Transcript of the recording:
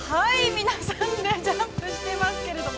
皆さんでジャンプしてますけれども。